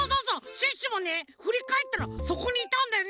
シュッシュもねふりかえったらそこにいたんだよね！